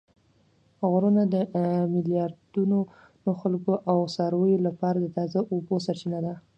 غرونه د میلیاردونو خلکو او څارویو لپاره د تازه اوبو سرچینه ده